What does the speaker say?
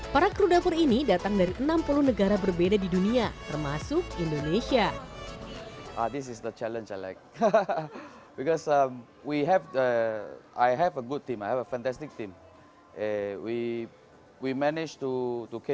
para kru dapur ini datang dari enam puluh negara berbeda di dunia termasuk indonesia